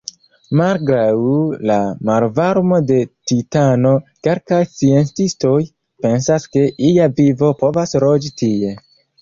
Malgraŭ la malvarmo de Titano, kelkaj sciencistoj pensas, ke ia vivo povas loĝi tie.